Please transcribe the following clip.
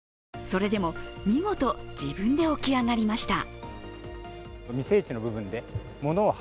それでも見事、自分で起き上がりました。